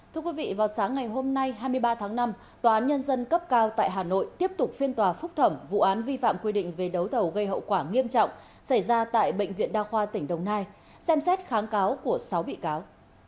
thưa quý vị vào sáng ngày hôm nay hai mươi ba tháng năm tòa án nhân dân cấp cao tại hà nội tiếp tục phiên tòa phúc thẩm vụ án vi phạm quy định về đấu thầu gây hậu quả nghiêm trọng xảy ra tại bệnh viện đa khoa tỉnh đồng nai xem xét kháng cáo của sáu bị cáo